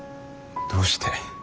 どうして。